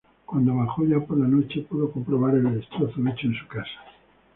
Cuando bajó, ya por la noche, pudo comprobar el destrozo hecho en su casa.